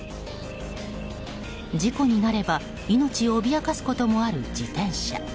事故になれば命を脅かすこともある自転車。